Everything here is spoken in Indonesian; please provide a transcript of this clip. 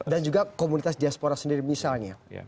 dan juga komunitas diaspora sendiri misalnya